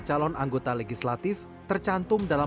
calon anggota legislatif tercantum dalam